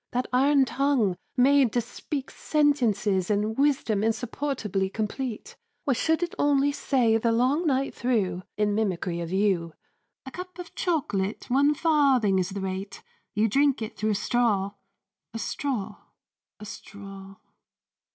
That iron tongue, made to speak sentences And wisdom insupportably complete, Why should it only say the long night through, In mimicry of you, "_A cup of chocolate, One farthing is the rate, You drink it through a straw, a straw, a straw!